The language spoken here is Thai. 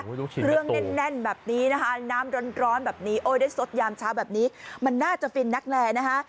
เครื่องแน่นแบบนี้นะคะน้ำร้อนแบบนี้โอ้ยได้สดยามเช้าแบบนี้มันน่าจะฟินนักแลนะคะ